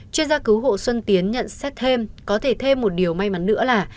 chuyên gia cứu hộ xuân tiến nhận xét thêm có thể thêm một điều may mắn nữa là